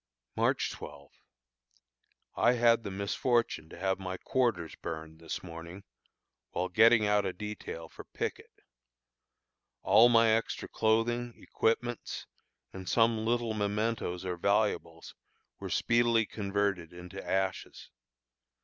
March 12. I had the misfortune to have my quarters burned this morning while getting out a detail for picket. All my extra clothing, equipments, and some little mementoes or valuables were speedily converted into ashes.